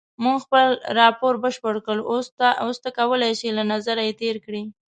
مونږ خپل راپور بشپړ کړی اوس ته کولای شې له نظر یې تېر کړې.